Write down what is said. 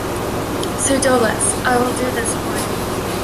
Pseudolus: I will do this for you.